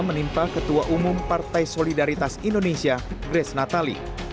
menimpa ketua umum partai solidaritas indonesia grace natali